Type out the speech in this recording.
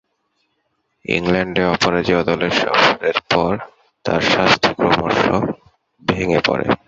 ইংল্যান্ডে অপরাজেয় দলের সফরের পর তার স্বাস্থ্য ক্রমশঃ ভেঙ্গে পড়ে।